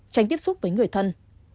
tránh tiếp xúc với người thân